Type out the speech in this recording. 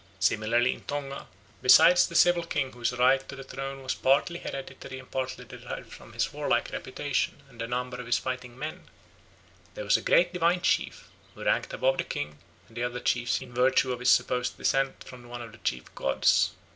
Similarly in Tonga, besides the civil king whose right to the throne was partly hereditary and partly derived from his warlike reputation and the number of his fighting men, there was a great divine chief who ranked above the king and the other chiefs in virtue of his supposed descent from one of the chief gods.